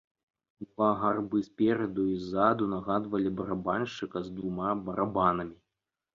Два гарбы спераду і ззаду нагадвалі барабаншчыка з двума барабанамі.